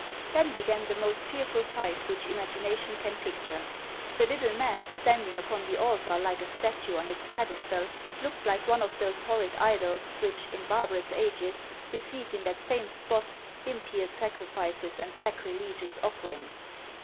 Then began the most fearful fight which imagination can picture. The little man, standing upon the altar, like a statue on its pedestal, looked like one of those horrid idols which, in barbarous ages, received in that same spot impious sacrifices and sacrilegious offerings.